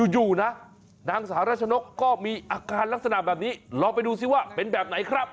อยู่นะนางสาวรัชนกก็มีอาการลักษณะแบบนี้ลองไปดูซิว่าเป็นแบบไหนครับ